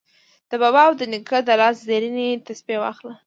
د بابا او د نیکه د لاس زرینې تسپې واخله